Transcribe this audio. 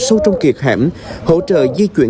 sâu trong kiệt hẻm hỗ trợ di chuyển